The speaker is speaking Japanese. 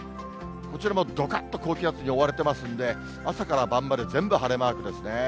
こちらもどかっと高気圧に覆われてますんで、朝から晩まで全部晴れマークですね。